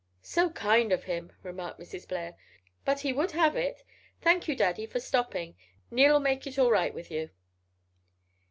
"So kind of him," remarked Mrs. Blair, "but he would have it. Thank you, Daddy, for stopping. Neil'll make it all right with you."